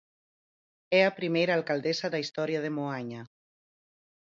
É a primeira alcaldesa da historia de Moaña.